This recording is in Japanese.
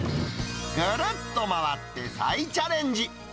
ぐるっと回って再チャレンジ。